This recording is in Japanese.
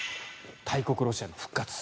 大国ロシアの復活